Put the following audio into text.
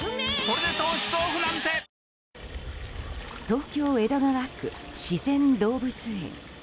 東京・江戸川区自然動物園。